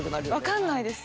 分かんないです。